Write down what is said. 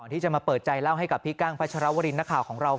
ที่จะมาเปิดใจเล่าให้กับพี่กั้งพัชรวรินนักข่าวของเรา